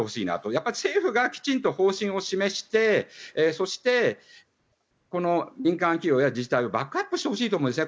やっぱり政府がきちんと方針を示してそしてこの民間企業や自治体をバックアップしてほしいと思うんですね。